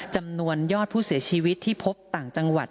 จำนวนยอดผู้เสียชีวิตที่พบต่างจังหวัด